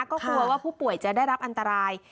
ก็กลัวว่าผู้ป่วยจะได้รับอันตราย